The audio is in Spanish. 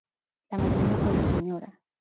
La madrina fue la Sra.